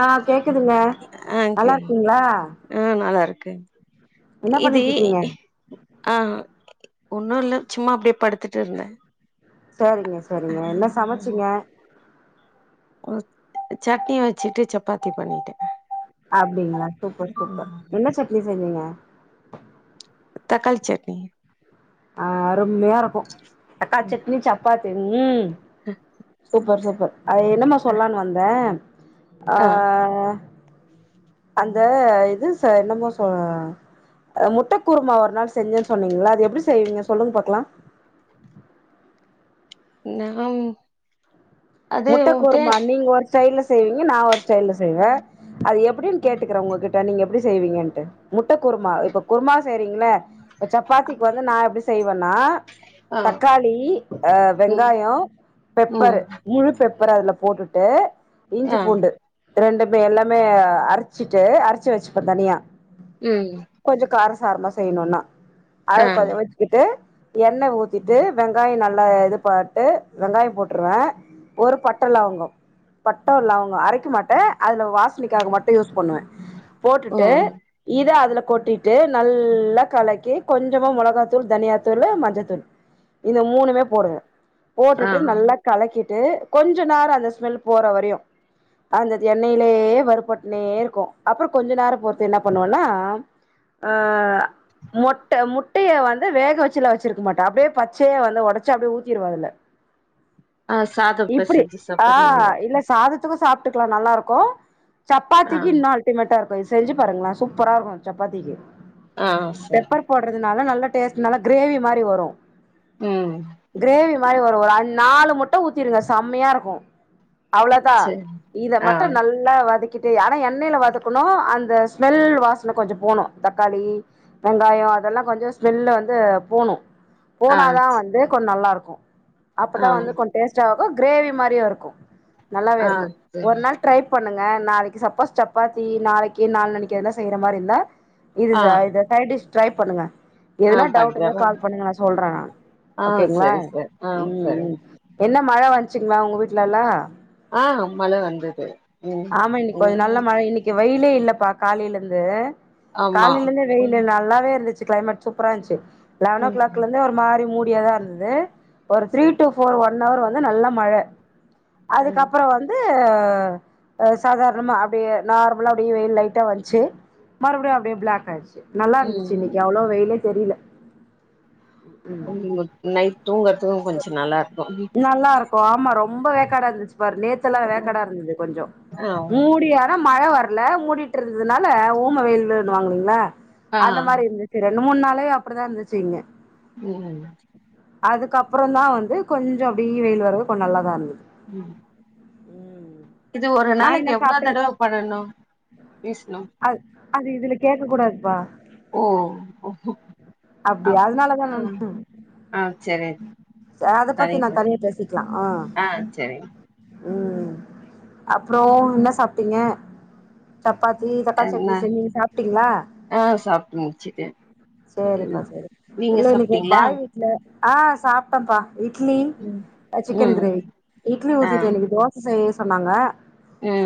ஆ கேக்குதுங்க அ கே நல்லா இருக்கீங்களா ம் நல்லா இருக்கு என்ன இது பண்ணிட்டு இருக்கீங்க அன் ஒன்னும் இல்ல சும்மா அப்டியே படுத்துட்டு இருந்தன் சரிங்க சரிங்க என்ன சமச்சிங்க ம் சட்னி வச்சுட்டு சப்பாத்தி பண்ணிட்டேன் அப்டிங்ளா சூப்பர் சூப்பர் என்ன சட்னி செஞ்சிங்க. தக்காளி சட்னி அ அருமையா இருக்கும் தக்காளி சட்னி சப்பாத்தி உம். சூப்பர் சூப்பர் அது என்னமா சொல்லான்னு வந்த அ ஆ அந்த இது என்னமோ சொ அ முட்ட குருமா ஒரு நாள் செஞ்சன்னு சொன்னிங்ளா அது எப்டி செ [unintelligible] செய்வீங்க சொல்லுங்க பாக்லாம் ந உம் முட்ட குருமா நீங்க ஒரு ஸ்டைல்ல செய்வீங்க நா ஒரு ஸ்டைல்ல செய்வன் அது எப்டின்னு கேட்டுக்கற உங்க கிட்ட நீங்க எப்டி செய்வீங்கன்ட்டு முட்ட குருமா இப்ப குரும செய்றீங்ள இப்ப சப்பாத்திக்கு வந்து நா எப்டி செய்வ னா ஆ தக்காளி அ ம் வெங்காயம் ம் பெப்பரு தூள் பெப்பர்ர அதுல போட்டுட்டு இஞ்சி ஆ பூண்டு ரெண்டுமே எல்லாமே அரச்சிட்டு அரச்சு வச்சுப்பென் தனியா ம் கொஞ்ஜோ கார காரமா செய்ணுனா அத ஆ கொ வெச்சுக்கிட்டு எண்ணெ ஊத்திட்டு வெங்காயம் நல்லா இது பாட்டு வெங்காயம் போட்டுருவன் ஒரு பட்டலவங்கொ பட்ட லவங்கம் அரைக்க மாட்ட அதுல வாஷ்னைக்காக மட்டு யூஸ் பண்ணுவன் போட்டுட்டு ம் இத அதுல கொட்டிட்டு நல்லா கலக்கி கொஞ்சமா மொளகாத்தூள் தனியாத்தூளு மஞ்சத்தூள் இந்த மூணுமே போடுவே ஆ போட்டுட்டு நல்லா கலக்கிட் ட்டு கொஞ்சோ நேரோ அந்த ஸ்மெல் போற வரையு அந்தது எண்ணெயிலயே வறுபட்னே இருக்கும் அப்புறம் கொஞ்ச நேரோ பொறுத்து என்ன பண்ணுவனா அன் மொட்ட முட்டைய வந்து வேக வச்சு வச்சிருக்க மாட்ட அப்டியே பச்சைய வந்து ஒடச்சு அப்டியே ஊத்திருவ அதுல ஆ சாதோ இப்டி பெசஞ்சு அ சாப்றது நல்லா இல்ல சாதத்துக்கும் சாப் ட்கலாம் நல்லா இருக்கும் ஆ சப்பாத்திக்கு இன்னும் அல்டிமேட்டா இருக்கு செஞ்சு பாருங்களே சூப்பரா இருக்கும் சப்பாத்திக்கு ஆ சரி பெப்பர் போடுறதுனால நல்ல டேஸ்ட் நல்ல கிரேவி மாரி வரும் ம் கிரேவி மாரி வரும் ஒரு அ நாலு முட் ட்ட ஊத்திருங்க செம்மையா இருக்கும் அவ்ளோதா சரி இத ஆ மட்டு நல்லா வதக் ட்டு ஆனா எண்ணெயில வதக்கணும் அந்த ஸ்மெல் வாசன கொஞ்சோ போணும் தக்காளி வெங்காயொ அதெல்லா கொஞ்சோ ஸ்மெல்ல வந்து போணு ஆ போனாதான் வந்து கொஞ் நல்லா இருக்கும் ஆ அப்பதா வந்து கொஞ் பாக்க கிரேவி மாரியு இருக்கும். நல்லாவே ஆ இருக்கும். சரி ஒரு நாள் ட்ரை பண்ணுங்க நாளைக்கு சப்போஸ் சப்பாத்தி நாளைக்கு நாள் நாளைக்கு எதுனா செய்ற மாரி இருந்தா இது ஆ ச இது சைடிஷ் டிரை பண்ணுங்க. ஆ எதுனா டவுட் பண்றே இருந்தா பாரு கால் பண்ணுங்க நா சொல்றேன் நானு. ஆ ஓகேங்களா சரி சரி ஆ ம் சரி ம் என்ன மழ வந்ச்சுங்களா உங்க வீட்லெல்லா ஆ மழ வந்தது ம் ஆமா இன்னைக்கு கொஞ்ச நல்ல ம் மழ இன்னைக்கு வெயிலே இல்லப்பா காலையிலேருந்து ஆமா காலையிலேருந்து ம் வெயிலு நல்லாவே இருந்துச்சு கிளைமேட் சூப்பரா இருந்துச்சு லெவன் ஓ ம் கிளாக்லேருந்தே ஒரு மாறி மூடியேதா இருந்தது ஒரு த்ரீ டு ஃபோர் ஒன்னவர் வந்து நல்ல மழ ம் அதுக்கப்பற வந்து ஆ ஆ சாதாரணமா அப்படியே நார்மலா அப்டியே வெயில் லைட்டா வந்ச்சு மறுபடியு அப்படியே பிளாக் ஆயிடுச்சு நல்லா இருந்துச்சு ம் இன்னைக்கு அவ்ளோவா வெயிலே தெரியல [unintelligible] நைட் தூங்கிறதுக்கும் கொஞ்ச நல்லாருக்கும் நல்லாருக்கும் ஆ ஆமா ரொம்ப வேக்காடா இருந்துச்சு பாரு நேத்துல்லாம் வேக்காடா இருந்துது கொஞ்ச ஆ மூடியானா மழ வர்ல மூடிட்டு இருந்ததுனால ஊம வெயில்னுவாங்க இல்லீங்களா ஆ அந்த மாரி இருந்துச்சு இந்த மூனு நாளாவே அப்டிதா இருந்துச்சு இங்க ம் அதுக்கப்புறந்தா வந்து கொஞ்ச அப்டியே வெயில் வரவு கொஞ்ச நல்லாதா இருந்தது ம் ம் இது ஒரு நா நாளைக்கு என்ன எவ்வளோ சாப்ட்டே தடவ பண்ணணு பேசணு அது அது இதுல கேக்கக்கூடாதுப்பா ஓ அப்டியா அப் அதுனாலதா நா ம் ஆ சரி சேர் அத பத்தி நா சரிங்க தனியா பேசிக்கலா ஆ ம் அப்புறம் என்ன சாப்ட்டீங்க சப்பாத்தி தக்காளி என்ன சட்னி செஞ்சு நீங்க சாப்ட்டீங்களா ஆ சாப்ட்டு முடிச்சுட்டே செரிப்பா ம் செரி நீங்க இல்ல இன்னைக்கு ஒரு சாப்ட்டீங்களா பாய் வீட்ல ஆ சாப்ட்டப்பா இட்லி ம் ஆ சிக்கன் ம் கிரேவி இட்லி ஆ ஊத்திட்ட இன்னைக்கு தோச செய்ய சொன்னாங்க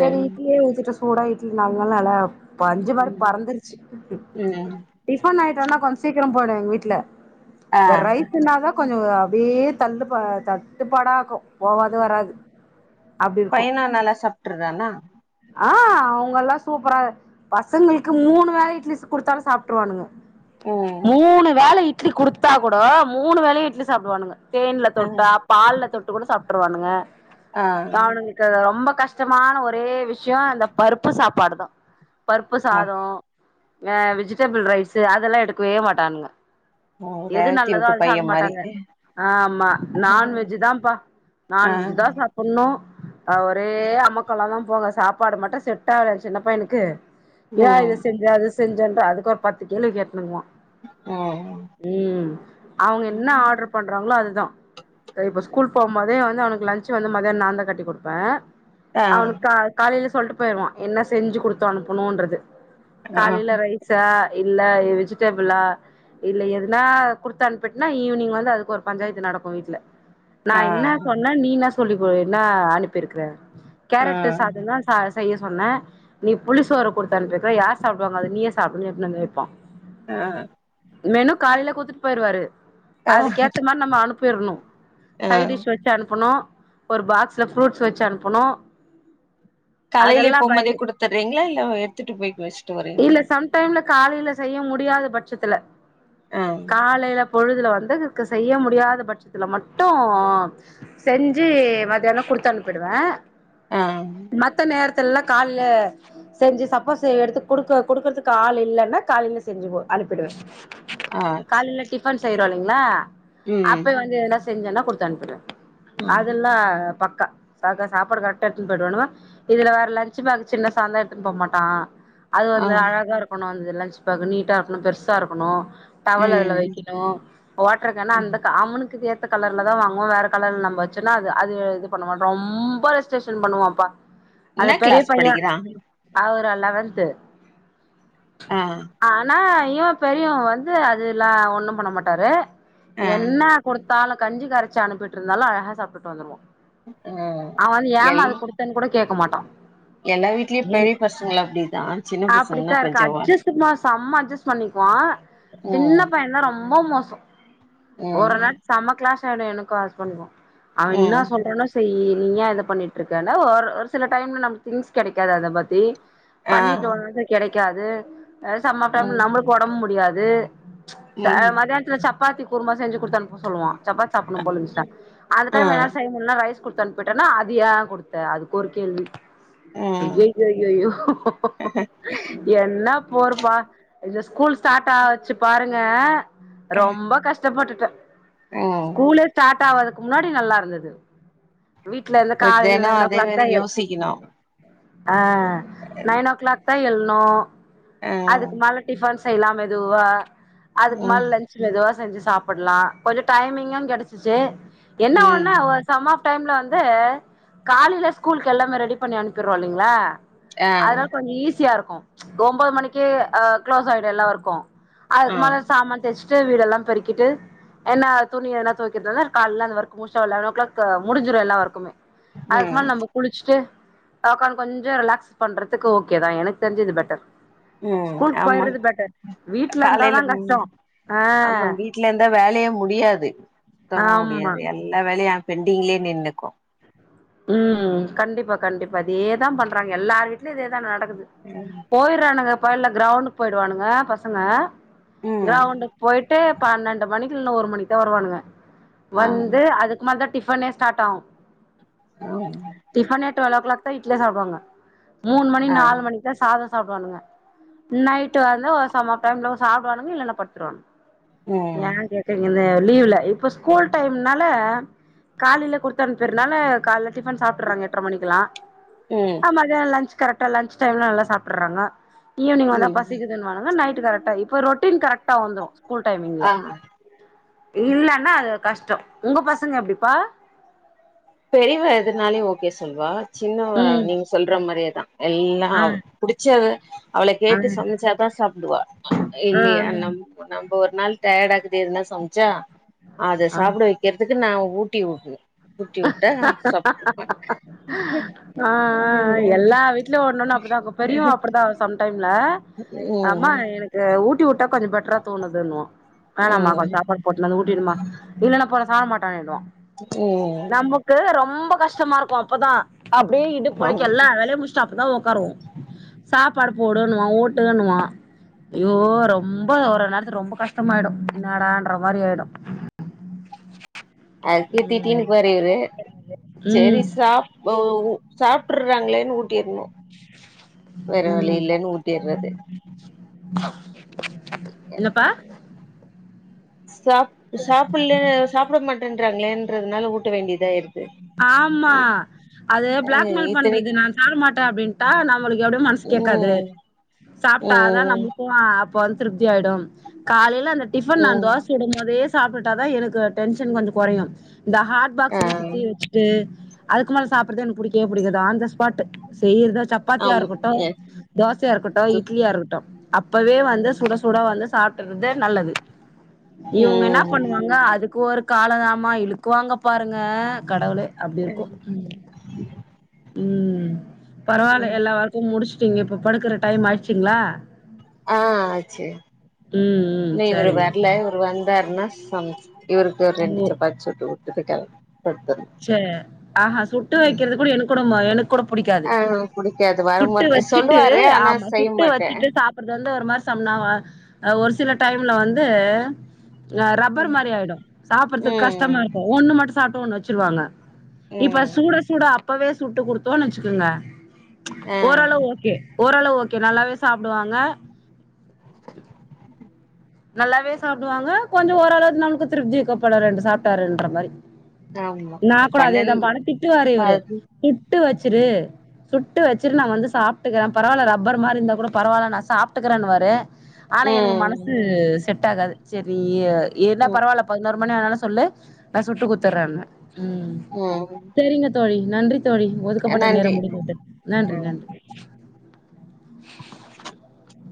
செரி இட்லியே ஊத்திட்ட சூடா இட்லி நால் நாளா நல்ல பஞ்சு மாரி ம் பறந்துருச்சு ம் டிஃபன் ஐயிட்டோனா கொஞ்ச சீக்கிர போய்டு எங்க வீட்ல ஆ இந்த ரைஸ்ஸுன்னாதா கொஞ்ச அப்டியே தள்ளுப்பா தட்டுப்பாடா இருக்கும் போவாது வராது அப்டி இருக்கும் பையனு நல்லா சாப்ட்டுறானா ஆ அவுங்கல்லா சூப்பரா பசங்களுக்கு மூணு வேளையு இட்லி குடுத்தாலு ஸ் சாப்ட்டுருவானுங்க ம் மூணு வேள இட்லி குடுத்தா கூடோ மூணு வேளையு இட்லி சாப்டுவானுங்க தேன்ல ஆ தொட்டா பால்ல தொட்டு கூட சாப்ட்டுருவானுங்க ஆ அவனுங்களுக்கு ரொம்ப கஷ்டமான ஒரே விஷ்ய அந்த பருப்பு சாப்பாடுதா பருப்பு ஆ சாதோ ஆ வெஜிடபிள் ரைஸு அதெல்லா எடுக்கவே மாட்டானுங்க ஓ எது ரேவதி நல்லதோ வீட்டு அது பைய சாப்ட மாரி மாட்டானுங்க ஆ ஆமா நாண்வெஜ்ஜு தான்ப்பா ஆ நாண்வெஜ்ஜுதா சாப்புட்ணு ஆ ஒரே அமக்கலந்தா போங்க சாப்பாடு மட்டு செட்டாலச்சின்னப்பா எனக்கு ஏன் இது ம் செஞ்ச அது செஞ்சன் அதுக்கு ஒரு பத்து கேள்வி கேட்னுக்குவா ம் ம் அவுங்க என்ன ஆர்டர் பண்றாங்களோ அதுதா செரி இப்ப ஸ்கூல் போம் போதே வந்து அவனுக்கு லன்ச்சு வந்து மதியான நான்தா கட்டி குடுப்ப ஆ ஆ அவனுக்கு கா காலைல சொல்ட்டு போயிருவா என்ன செஞ்சு குடுத்தோம் அனுப்பணுன்றது ஆ காலைல ரைஸா இல்ல வெஜு டெபுலா இல்ல எதுனா குடுத் அனுப்பிட்டேனா ஈவ்னிங் வந்து அதுக்கு ஒரு பஞ்சாயத்து நடக்கும் வீட்ல நா ஆ என்ன சொன்ன நீ என்ன சொல்லி கு என்ன அனுப்பிருக்குற ஆ கேரட்டு சாதன்னா சா செய்ய சொன்ன நீ புளி சோர குடுத்தனுப்பிருக்க யார் சாப்டுவங்க அத நீயே சாப்டுனு எடுத்துனு வந்து வெப்பான் ஆஹ் மேனு காலில குத்துட்டு போயிருவாரு ஆ அதுக்கேத்த மாரி நம்ம அனுப்பிர்ணும் ஆ சைட் டிஷ் வச்சு அனுப்பணு ஒரு பாக்ஸ்ல ஃப்ரூட்ஸ் வச்சு அன்ப்பனு காலையிலே அதெல்லாம் போம்போதே பயங் குடுத்துட்றீங்களா இல்ல எடுத்துட்டு போய் வச்சுட்டு வரீங்களா இல்ல சம்டைம்ல காலில செய்ய முடியாது பட்சத்துல ஆ காலையிலப் பொழுதுல வந்து க்கு செய்ய முடியாத பட்சத்துல மட்டும் செஞ்சி மத்தியானோ குத்து அனுப்பிடுவே அஹ் த்தெல்லா கால்லே செஞ்சி சப்போஸு எடுத்து குடுக்க குடுக்கறதுக்கு ஆள் இல்லன்னா காலில செஞ்சிபோ அனுப்பிடுவே ஆ ச்சி காலையில டிஃபன் செய்றோ இல்லிங்களா அப்வே வந்து எதனா செஞ்சன்னா குடுத்து அனுப்பிடுவ ம் அதுல்லா பக் கா சாகா சாப்பாடு கரெக்டா எடுத்துன் போயிடுவானுகோ இதுல வேற லஞ்சு பேக் சின்னஸாந்தா எடுத்துன்னு போ மாட்டா அது ஆ வந்து அழகா இருக்கணும் அந்த லஞ்சு பேகு நீட்டா இருக்கணு பெர்சா இருக்கணு டவல் அதுல ம் வைக்கணு வோட்டருக்கேனு அந்தக அவனுக்கு குகேத் த கலர்ல தான் வாங்குவோ வேற கலர்ல நம்ப வச்சுன்னா அது அது இது பண்ணமாட் ரொம்ப ரெஸ்ரேஷன் பண்ணுவாப்பா என்ன அது பெரிய கிளாஸ் பைய படிக்கிறா அவுரா லெவன்து அஹ் ஆஹ் இவ பெரியவ வந்து அதுல்லா ஒண்ணும் பண்ண மாட்டாரு ஆ என்ன குடுத்தாலு கஞ்சி கரைச்சி அனுப்பிட்டுருந்தாலும் அழகா சாப்ட்டுட்டு வந்துருவா ஆ அவ வந்து ஏமா எல் அத குடுத்தன்னு கூடக் கேக்க மாட்டா எல்லா வீட்லயும் என் பெரிய பசங்கலப்டிதான் சின்ன பசங்கனா அப்டித்தா கொஞ்ச இருக்கா வாள் அட்ஜஸ்ட்மா செம்ம அட்ஜஸ்ட் பண்ணிக்குவான் சின்ன ம் பையன்தா ரொம்ப மோசோம் ஒரு ம் நாள் செம்ம கிளாஸ் ஆயிடும் எனக்கும் ஹஸ்பண்ட்கோ அவன் இன்னா ம் சொல்றன்னோ செய்யி நீ ஏன் இத பண்ணிட்டுருக்கனா ஒர் ஒரு சில டைம்ல நம்க் திங்ஸ் கிடைக்காது அத பத்தி ஆ பண்ணிட்டோணு கெடைக்காது ஹ சம்மாப் டைம்ல ம் நம்ளுக் வொடம்பு முடியாது ச ம் மத்யானத்துல சப்பாத்தி குருமா செஞ்சு குடுத்தனுப்ப சொல்லுவா சப்பாத் சாப்பன்னு போலருந்சினா அந்த ஆ டைம் என்னால செய் முட்லனா ரைஸ் குடுத்து அனுப்பிட்டன்னா அது ஏன் குடுத்த அதுக்கு ஒரு கேள்வி ம் அய்யய்யய்யோ என்னாப் பா இந்த ஸ்கூல் ஸ்டார்ட் ஆச்சு பாருங்க ரொம்ப கஷ்டப்பட்டுட்ட ம் ஸ்கூலே ஸ்டார்ட் ஆவாதுக்கு முன்னாடி நல்லா இருந்தது வீட்லந்து இப்ப காலையில தெனோ நைன் ஓ அதே கிளாக் மாரி தான் எழ் யோசிக்கணு அஹ் நைன் ஓ கிளாக் தான் எழ்னோ ஆ அதுக்கு மேல டிபன்ஸ் செய்லா மெதுவா அதுக்கு மேல ம் லஞ்சு மெதுவா செஞ்சு ஸ் சாப்பட்லா கொஞ்சோ டைமிங்கோ கிடைச்சிச்சு என்னா ஒண்ணு ம் சம் ஆப் டைம்ல வந்து து காலையில ஸ்கூலு எல்லாமே ரெடி பண்ணி அனுப்பிர்ரோ இல்லிங்களா ஆ அதனால கொஞ்சோ ஈஸியா இருக்கோ ஒன்போது மணிக்கே அஹ் க்ளோஸ் ஆயிடு எல்லா வொர்க்கோ ஆ அதுக்கு மேல சாமான் தேச்சுட்டு வீடு எல்லாம் பெருக்கிட்டு என்ன துணி எதன தோய்க்கர்தானா கால்ல அந்த வொர்க்கு முஷ்டோ லெவன் ஓ கிளாக்கு முடிஞ்ரும் எல்லா வொருக்குமே அதுக்கு ம் முன்ன நம்ப குளிச்சுட்டு வொக்கான் கொஞ்சோ ரிலாக்ஸ் பண்றதுக்கு ஓகே தா எனக்கு தெரிஞ்சு இது பெட்டர் உம் ஸ்கூலுக்கு ஆமா போயிறது பெட்டர் வீட்ல இருந்தாதா காலையில ம் கஷ்டோ ஆ ஆமா வீட்டுல இருந்தா வேலையும் முடியாது சுத்தமா ஆமா முடியாது எல்லா வேலையும் பெண்டிங்லயே நின்னுக்கும் உம் கண்டிப்பா கண்டிப்பா இதேதா பண்றாங்க எல்லார் வீட்லயும் இதேதா நடக் குது போய்யிறானுங்கப்பா இல்ல கிரௌண்டுக் போயிடுவானுங்க பசங்க ம் கிரௌண்டுக்கு போயிட்டு பன்னெண்டு மணிக்கு இல்னா ஒரு மணிக்குதா வருவானுங்க ஆ வந்து அதுக்கு மேல் தா டிஃபன்னே ஸ்டார்ட் ஆவும் ஆ டிஃபனே டுவல் ஓ கிளாக் தான் இட்லியே சாப்புடுவாங்க மூண் மணி ஆ நாலு மணி சாதோ சாப்டுவானுங்க நைட்டு வந்து ஒரு சம் ஆப் டைம்ல சாப்டுவானுங்க இல்லனா படுத்துருவானுக ம் ஏ கேட்டிங்கனு லீவ்ல இப்ப ஸ்கூல் டைம்னால காலில குடுத்தன்ப்பிர்னால கால்ல டிஃபன் சாப்ட்டிர்றாங்க எட்ர மணிக்குலா ம் அ மதியான லஞ்ச் கரட்டா லஞ்ச் டைம்ல நல்லா சாப்ட்டிர்றாங்க ஈவ்னிங் வந்தா ம் பசிக்குதுன்வாங்க இல்னா நைட்டு கரட்டா இப்ப ரொட் டின் கரட்டா வந்துரு ஸ்கூல் டைம்ல ஆ இல்லனா அது கஷ்ட உங்க பசங்க எப்டிப்பா பெரியவ எதுனாலியு ஓகே சொல்வா சின்னவ ம் நீங்க சொல்ற மாரியே எல்லா ஆ அவ புடிச்சது அவளை ஆ கேட்டு சம்ச்சாதா சாப்பிடுவா இல்லியா ஆ நம் இப்ப நம்ம ஒரு நாள் டயடாகு து எதுனா சம்ச்சா அத ஆ சாப்பிட வைக்கிறதுக்கு நா ஊட்டி வுட்னு ஊட்டி வுட்டா ஆ சப்டுபா ஆ எல்லா வீட்லு ஒன்னொன்னு அப்டிதா இக்கு பெரியவ ம் அப்டிதா சம்டைம் ல அம்மா எனக்கு ஊட்டி வுட்டா கொஞ்ச பெட்ரா தோணுதுனுவா வேணாமா கொஞ்ச சாப்பாடு போட்டுனு வந்து ஊட்டிவிடுமா இல்லனா போ நா சாப்ப மாட்டேனிடுவா ம் நமக்கு ரொம்ப கஷ்டமாருக்கு அப்பதா அப்டியே இடுப்பு வலிக்கு ஆம் எல்லா வேலையு முஸ்டு அப்பதா ஒக்காருவோ சாப்பாடு போடுணுவா ஊட்டுணுவா ஐயோ ரொம்ப ஒரு நேரத்துக்கு ரொம்ப கஷ்டமாய்டு என்னாடான்ற மாரியாய்டு [inaudible] அதுக்கே திட்டீனு இப்பாரு இவ்ரு சேரி ம் சாப்பவு சாப்டர்றாங்ளேன்னு ஊட்டிர்ணு வேற வழி ம் இல்லன்னு ஊட்டிர்றது என்னப்பா சா சாப்பில்ல சாப்ட மாட்டேன்றாங்களேன்றதனா ல ஊட்ட வேண்டியதாருக் ஆமா அது ம் பிளாக்மெயில் பண்றது இத்தனைக்கு நா சாப்ட மாட்டே அப்டின்டா நம்ளுக்கு எப்டியு மன்சு கேக்காது ம் சாப்டாதா ம் நமுக்கு அப் இப்ப வந் திருப்தியாயிடு காலைல அந்த டிஃபன் நான் ம் தோஸ் சுடும் போதே சாப்டுட்டாதா எனக்கு டென்ஷன் கொஞ்ச கொறையு இந்த ஹாட் பாக்ஸ் ஆ சுத்தி வச்சுட்டு அதுக்கு மேல சாப்பிறது என்க்கு புடிக்கவே புடிக்காது ஆன் த ஸ்பாட்டு செய்யறதா சப்பாத்தியா ஆம் இருக்கட்டு தோசையா இருக்கட்டு எத்து இட்லியாருக்கட்டு அப்பவே வந்து சுட சுட வந்து சாப்பிட்டறது நல்லது இவுங்க என்னாப் ம் பண்ணுவாங்க அதுக்கு ஒரு காலதாம இழுக்குவாங்க பாருங்க கடவுளே அப்டி இருக்கு ம் பரவால்ல ம் எல்லா ஒர்க்கு முடிஸ்டிங்க இப்ப படுக்கற டைம்மாய்ச்சுங்ளா ஆ சேரி ம் ம் நீ இவரு சரிங்க வர்ல இவரு வந்தாருன்னா சம் இவருக்கு ஒரு ரெண்டு சப்பாத்தி சுட்டு வுட்டுட்டு கெளம் படுத்துர்ணு சேர் ஆஹா சுட்டு வைக்கிறது கூட எனக்கு கூட ம் எனக்கு கூட புடிக்காது ஆ புடிக்காது சுட்டு வரும்போது வச்சுட்டு சொல்லுவாரு ஆனா ஆமா செய்ய சுட்டு மாட்டே வச்சுட்டு சாப்றது வந்து ஒரு மாரி சம்னா ஒரு சில டைம்ல வந் து அ ரப்பர் மாரியாய்டு சாப்புர்றதுக் ம் கஷ்டமாருக்கு ஒன்னு மட்டு சாப்டு ஒன்னு வச் ச்ருவாங்க இப்ப ம் சூட சுட அப்பவே சுட்டு குடுத்தோன்னுச்சுக்கோங்க ஆ ஓரளவு ஓகே ஓரளவு ஓகே நல்லாவே சாப்டுவாங்க நல்லாவே சாப்டுவாங்க கொஞ்ச ஓரளவுக்கு நமக்கு திருப்தி இக்குபோல ரெண்டு சாப்ட்டாருன்ற மாரி ஆமா நா கூட பன்னெண் அதேதாபா ஆனா திட்டுவாரு இவரு பது சுட்டு வச்சிரு சுட்டு வச்சுரு நா வந்து சாப்ட்டுக்கற பரவால ரப்பர் மாரி இந்தா கூட பரவால நா சாப்ட்டுக்றேன்னுவாரு ஆனா எனக்கு ம் மனசு செட்டாகாது சரி நீ என்னாப் ம் பரவால்ல பதினொரு மணி ஆனாலு சொல்லு நா சுட்டு குத்துறன்னுவ உம் ம் சரிங்க தோழி நன்றித் தோழி ஒதுக்கப்பட்ட நன்றி நேரம் முடிந்துவிட்டு நன்றி ம் நன்றி [inaudible]